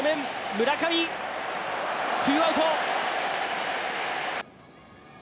村上、ツーアウト。